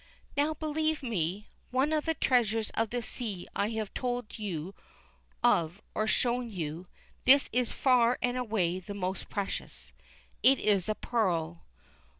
Now believe me! Of all the treasures of the sea I have told you of or shown you, this is far and away the most precious. It is a pearl.